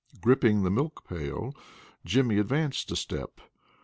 Gripping the milk pail, Jimmy advanced a step.